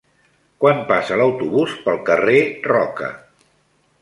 Quan passa l'autobús pel carrer Roca?